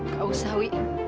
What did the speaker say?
gak usah wih